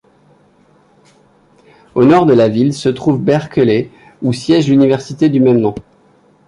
Au nord de la ville se trouve Berkeley, où siège l'université du même nom.